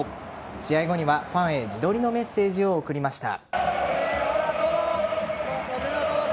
試合後にはファンへ自撮りのメッセージを送りました。